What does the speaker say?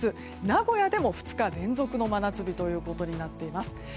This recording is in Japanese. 名古屋でも２日連続の真夏日となっています。